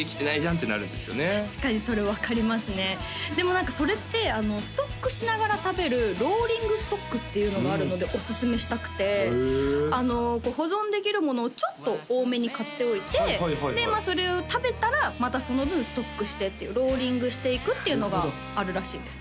何かそれってストックしながら食べるローリングストックっていうのがあるのでおすすめしたくてへえ保存できるものをちょっと多めに買っておいてでそれを食べたらまたその分ストックしてっていうローリングしていくっていうのがあるらしいです